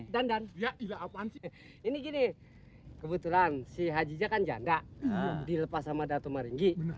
dandan ini gini kebetulan si haji jakaan janda dilepas sama datu maringgi